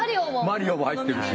「マリオ」も入ってるし。